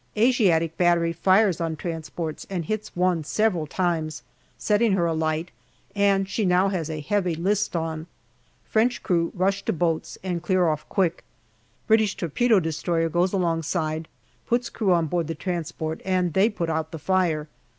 Asiatic battery fires on transports and hits one several times, setting her alight, and she now has a heavy list on. French crew rush to boats and clear off quick. British torpedo destroyer goes alongside, puts crew on board the transport, and they put out the fire.